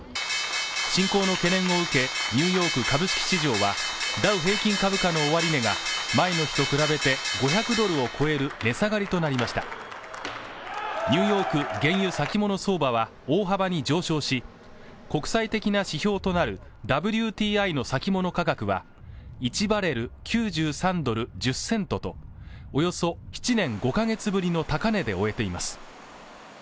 侵攻の懸念を受けニューヨーク株式市場はダウ平均株価の終値が前の日と比べて５００ドルを超える値下がりとなりましたニューヨーク原油先物相場は大幅に上昇し国際的な指標となるＷＴＩの先物価格は１バレル＝９３ドル１０セントとおよそ７年５か月ぶりの高値で終えています